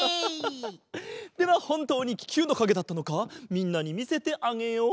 ではほんとうにききゅうのかげだったのかみんなにみせてあげよう。